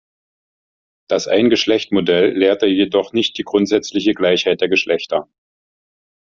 Das Ein-Geschlecht-Modell lehrte jedoch nicht die grundsätzliche Gleichheit der Geschlechter.